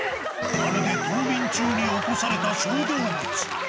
まるで冬眠中に起こされた小動物。